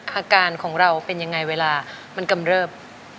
อาการของเราเป็นยังไงเวลามันกำเริบ